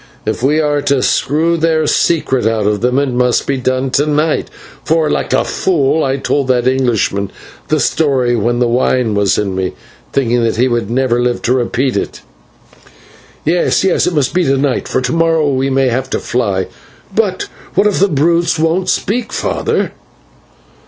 If we are to screw their secret out of them, it must be done to night, for, like a fool, I told that Englishman the story when the wine was in me, thinking that he would never live to repeat it." "Yes, yes, it must be to night, for to morrow we may have to fly. But what if the brutes won't speak, father?"